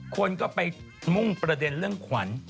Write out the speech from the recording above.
คนก็ไปมุ่งประเด็นเรื่องขวัญ